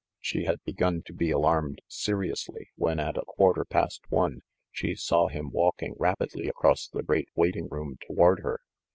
She had begun to be alarmed seriously, when, at a quarter past one, she saw him walking rapidly across the great waiting room toward her.